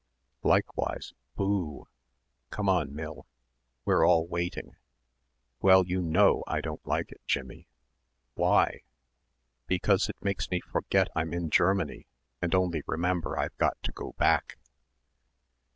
'" "Likewise 'Boo!' Come on, Mill, we're all waiting." "Well, you know I don't like it, Jimmie." "Why?" "Because it makes me forget I'm in Germany and only remember I've got to go back."